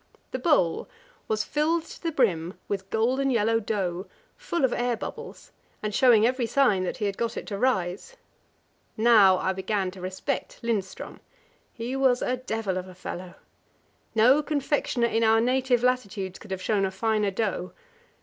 The bowl was filled to the brim with golden yellow dough, full of air bubbles, and showing every sign that he had got it to rise. Now I began to respect Lindström; he was a devil of a fellow. No confectioner in our native latitudes could have shown a finer dough.